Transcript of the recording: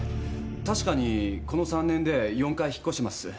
確かにこの３年で４回引っ越してます。